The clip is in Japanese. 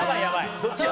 「どっちや？」